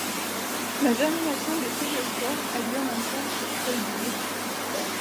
La germination des téliospores a lieu en même temps que celle du blé.